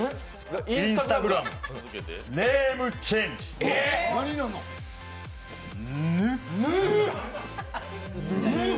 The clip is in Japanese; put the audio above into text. Ｉｎｓｔａｇｒａｍがネームチェンジ、「ぬ」。